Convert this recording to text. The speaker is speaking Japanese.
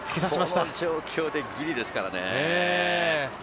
この状況でギリですからね。